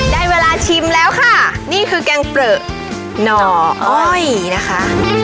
ได้เวลาชิมแล้วค่ะนี่คือแกงเปลือหน่ออ้อยนะคะ